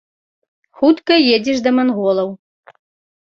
Хутка едзеш да манголаў.